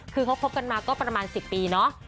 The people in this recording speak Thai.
คือเขาคบกันมาก็ประมาณ๑๐ปีเนาะ